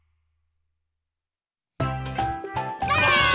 ばあっ！